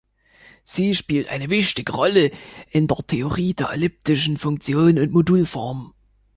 Sie spielt eine wichtige Rolle in der Theorie der elliptischen Funktionen und Modulformen.